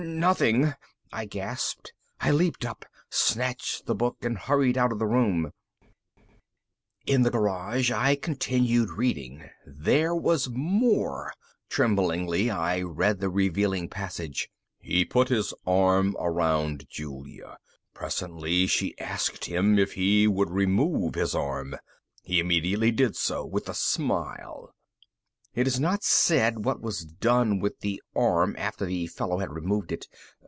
"Nothing," I gasped. I leaped up, snatched the book, and hurried out of the room. In the garage, I continued reading. There was more. Trembling, I read the next revealing passage: _... he put his arm around Julia. Presently she asked him if he would remove his arm. He immediately did so, with a smile._ It's not said what was done with the arm after the fellow had removed it.